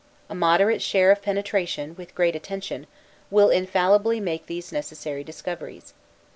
A moderate share of penetration, with great attention, will infallibly make these necessary discoveries.